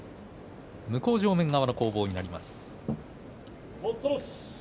向正面側の攻防となります。